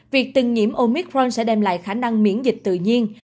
việc từng nhiễm omicron sẽ đem lại khả năng miễn dịch tự nhiên